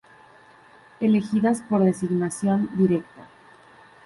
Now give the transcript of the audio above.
Elegidas por designación directa.